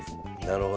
なるほど。